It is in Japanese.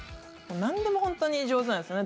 なんでも本当に上手なんですね